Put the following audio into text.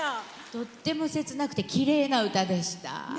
とっても切なくてきれいな歌でした。